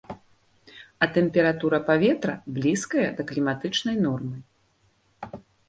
А тэмпература паветра блізкая да кліматычнай нормы.